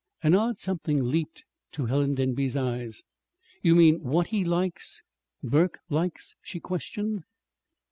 An odd something leaped to Helen Denby's eyes. "You mean, what he likes, Burke likes?" she questioned.